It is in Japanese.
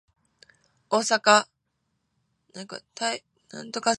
大阪・台北線開設